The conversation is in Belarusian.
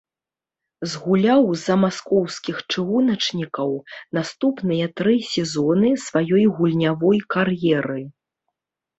Згуляў за маскоўскіх чыгуначнікаў наступныя тры сезоны сваёй гульнявой кар'еры.